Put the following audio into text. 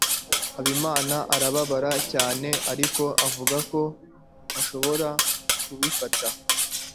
habimana arababara cyane, ariko akavuga ko ashobora kubifata